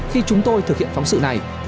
khi chúng tôi thực hiện phóng sự này